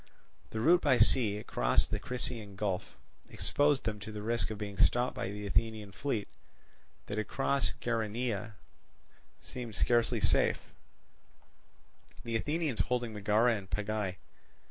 The route by sea, across the Crissaean Gulf, exposed them to the risk of being stopped by the Athenian fleet; that across Geraneia seemed scarcely safe, the Athenians holding Megara and Pegae.